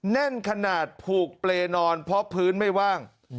แน่นขนาดผูกเปรย์นอนเพราะพื้นไม่ว่าง